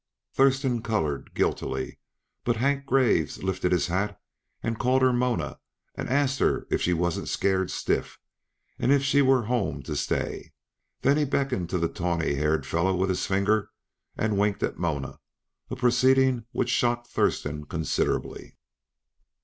Thurston colored guiltily, but Hank Graves lifted his hat and called her Mona, and asked her if she wasn't scared stiff, and if she were home to stay. Then he beckoned to the tawny haired fellow with his finger, and winked at Mona a proceeding which shocked Thurston considerably.